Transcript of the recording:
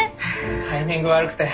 タイミング悪くて。